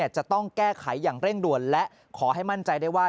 จะต้องแก้ไขอย่างเร่งด่วนและขอให้มั่นใจได้ว่า